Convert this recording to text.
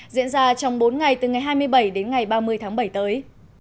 diễn ra trong bốn ngày từ ngày hai mươi bảy đến ngày ba mươi tháng bảy tới